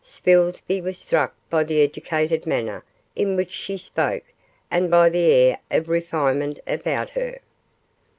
Spilsby was struck by the educated manner in which she spoke and by the air of refinement about her.